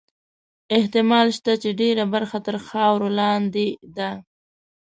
احتمال شته چې ډېره برخه تر خاورو لاندې ده.